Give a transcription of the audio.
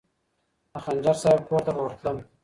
د خنجر صاحب کور ته به ورتلم.